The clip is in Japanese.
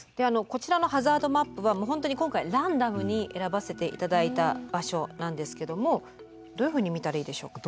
こちらのハザードマップは本当に今回ランダムに選ばせて頂いた場所なんですけどもどういうふうに見たらいいでしょうか？